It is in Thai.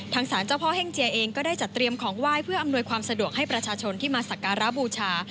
สารเจ้าพ่อเฮ่งเจียเองก็ได้จัดเตรียมของไหว้เพื่ออำนวยความสะดวกให้ประชาชนที่มาสักการะบูชา